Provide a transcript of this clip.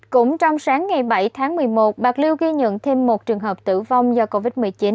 cũng trong sáng ngày bảy tháng một mươi một bạc liêu ghi nhận thêm một trường hợp tử vong do covid một mươi chín